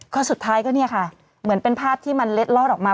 ก็สุดท้ายก็เนี่ยค่ะเหมือนเป็นภาพที่มันเล็ดลอดออกมา